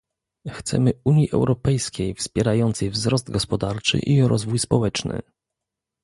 Chcemy Unii Europejskiej wspierającej wzrost gospodarczy i rozwój społeczny